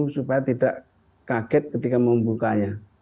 supaya tidak kaget ketika membukanya